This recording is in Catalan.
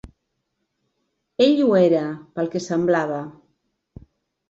Ell ho era, pel que semblava.